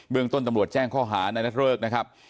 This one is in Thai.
ต้นตำรวจแจ้งข้อหาในนัดเริกนะครับ